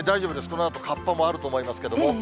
このあと、かっぱもあると思いますけれども。